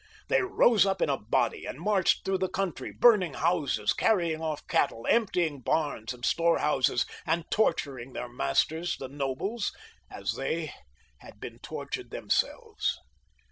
They rose up in a body, and marched through the country, burning houses, carrying off cattle, emptying bams and storehouses, and torturing their masters the nobles as they had been tortured themselves.